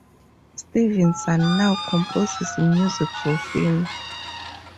Stevenson now composes music for film.